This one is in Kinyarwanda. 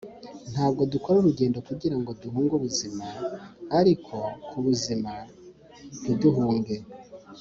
ntabwo dukora urugendo kugirango duhunge ubuzima, ariko kubuzima ntiduhunge.